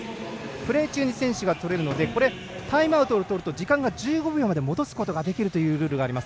プレー中に選手がとれるのでタイムアウトをとると時間が１５秒まで戻すことができるというルールがあります。